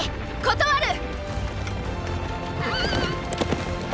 断る！